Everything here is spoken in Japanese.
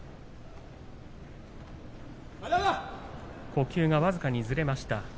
呼吸が僅かにずれました。